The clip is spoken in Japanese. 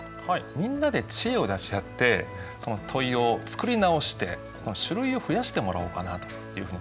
みんなで知恵を出し合ってその問いを作り直して種類を増やしてもらおうかなというふうに考えてます。